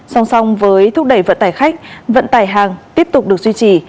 song song với thúc đẩy vận tải khách vận tải hàng tiếp tục được duy trì